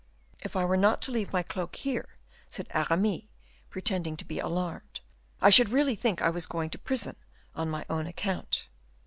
"If I were not to leave my cloak here," said Aramis, pretending to be alarmed, "I should really think I was going to prison on my own account."